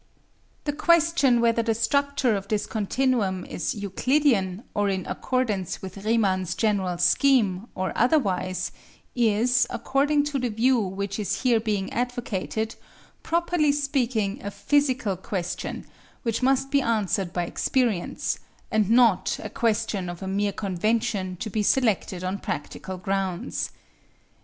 The question whether the structure of this continuum is Euclidean, or in accordance with Riemann's general scheme, or otherwise, is, according to the view which is here being advocated, properly speaking a physical question which must be answered by experience, and not a question of a mere convention to be selected on practical grounds.